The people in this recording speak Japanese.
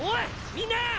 みんな！